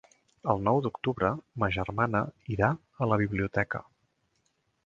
El nou d'octubre ma germana irà a la biblioteca.